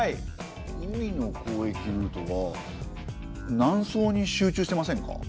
海の交易ルートは南宋に集中してませんか？